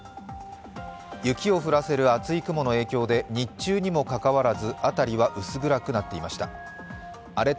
雪を降らせる厚い雲の影響で日中にもかかわらず辺りは薄暗くなっていました。